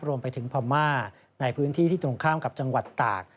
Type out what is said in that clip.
รวมไปถึงพม่าในพื้นที่ที่ตรงข้ามกับจังหวัดตาก